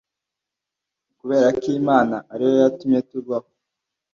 Kubera ko Imana ari yo yatumye tubaho